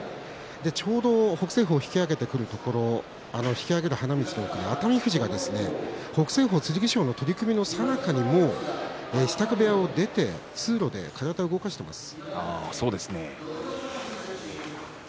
ちょうど北青鵬が引き揚げてくるところ、引き揚げる花道の奥に熱海富士が北青鵬、剣翔の取組のさなかに支度部屋を出て通路で体を動かしています。